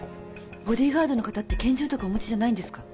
ボディーガードの方って拳銃とかお持ちじゃないんですか？